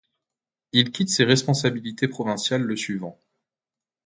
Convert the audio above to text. Il quitte ses responsabilités provinciales le suivant.